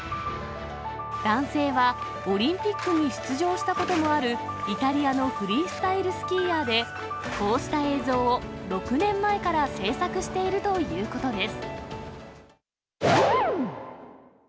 男性はオリンピックに出場したこともあるイタリアのフリースタイルスキーヤーで、こうした映像を６年前から製作しているということです。